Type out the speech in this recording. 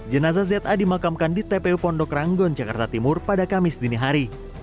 jenazah za dimakamkan di tpu pondok ranggon jakarta timur pada kamis dini hari